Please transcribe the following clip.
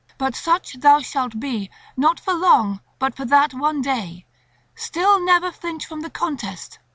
But such thou shalt be not for long, but for that one day; still never flinch from the contest.